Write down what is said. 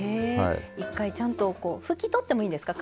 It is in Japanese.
一回、ちゃんと拭き取ってもいいんですか？